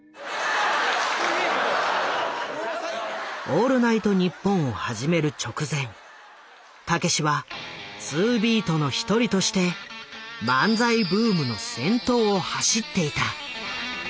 「オールナイトニッポン」を始める直前たけしはツービートの一人として漫才ブームの先頭を走っていた。